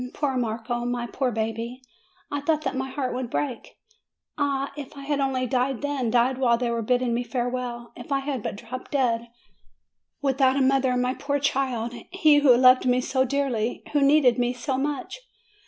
Poor Marco, my poor baby ! I thought that my heart would break ! Ah, if I had only died then, died while they were bid ding me farewell ! If I had but dropped dead ! With out a mother, my poor child, he who loved me so dearly, who needed me so much!